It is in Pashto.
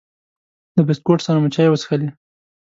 د بسکوټ سره مو چای وڅښلې.